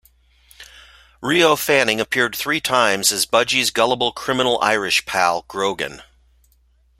Rio Fanning appeared three times as Budgie's gullible criminal Irish pal, Grogan.